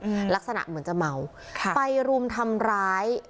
อืมลักษณะเหมือนจะเมาค่ะไปรุมทำร้าย